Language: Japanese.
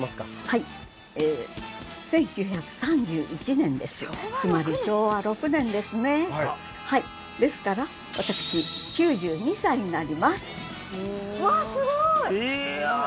はいえ１９３１年ですつまり昭和６年ですねはいですから私９２歳になります